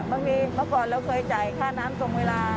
เมื่อก่อนเราเคยจ่ายค่าน้ำตรงเวลา